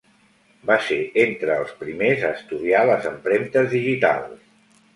Va ser entre els primers a estudiar les empremtes digitals.